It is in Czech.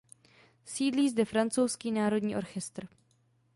Sídlí zde Francouzský národní orchestr.